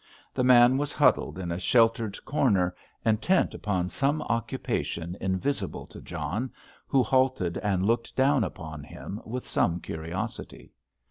The man was huddled in a sheltered corner, intent upon some occupation invisible to John, who halted and looked down upon him with some curiosity.